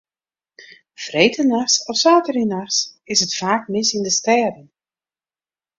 Freedtenachts of saterdeitenachts is it faak mis yn de stêden.